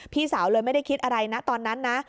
พี่สาวเลยไม่ได้คิดอะไรนะตอนนั้นนะ